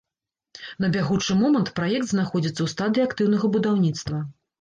На бягучы момант праект знаходзіцца ў стадыі актыўнага будаўніцтва.